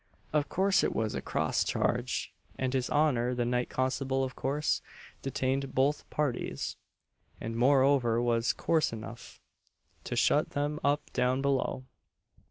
Of course it was a "cross charge;" and his honour the Night Constable of course detained both parties; and, moreover, was coarse enough "to shut them up down below."